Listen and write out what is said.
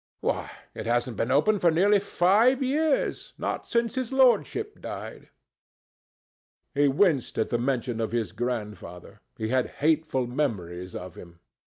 Why, it hasn't been opened for nearly five years—not since his lordship died." He winced at the mention of his grandfather. He had hateful memories of him.